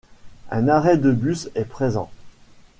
Un arrêt de bus est présent.